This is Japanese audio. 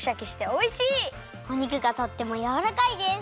お肉がとってもやわらかいです！